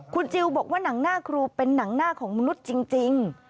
คุณจิลบอกว่าหนังหน้าครูเป็นหนังหน้าของมนุษย์จริง